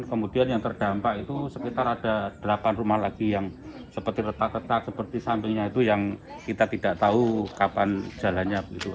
kemudian yang terdampak itu sekitar ada delapan rumah lagi yang seperti retak retak seperti sampingnya itu yang kita tidak tahu kapan jalannya